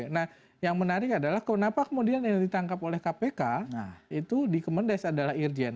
nah yang menarik adalah kenapa kemudian yang ditangkap oleh kpk itu di kemendes adalah irjen